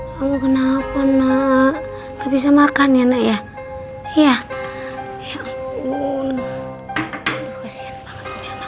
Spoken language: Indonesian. kamu kenapa nak gak bisa makan ya nak ya iya ya ampun aduh kesian banget rena